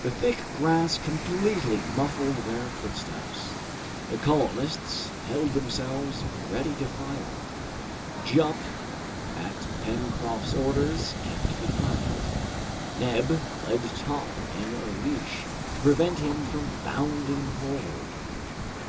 The thick grass completely muffled their footsteps. The colonists held themselves ready to fire. Jup, at Pencroft's orders, kept behind. Neb led Top in a leash, to prevent him from bounding forward.